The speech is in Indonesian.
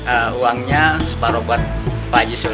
eee uangnya separuh buat pak haji sulam